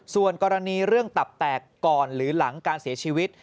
ส่วนกรณีเรื่องตับแตกก่อนหรือหลังการเสียชีวิต